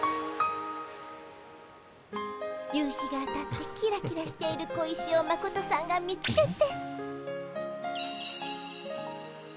夕日が当たってキラキラしている小石をマコトさんが見つけて。